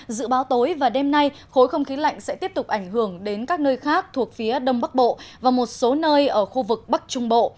dự báo tối và đêm nay khối không khí lạnh sẽ tiếp tục ảnh hưởng đến các nơi khác thuộc phía đông bắc bộ và một số nơi ở khu vực bắc trung bộ